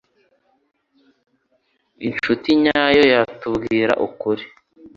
Inshuti nyayo yatubwira ukuri.